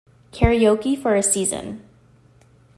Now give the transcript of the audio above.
Karaoke for a season.